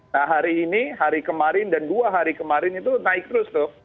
nah hari ini hari kemarin dan dua hari kemarin itu naik terus tuh